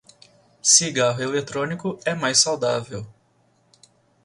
Cigarro eletrônico é mais saudável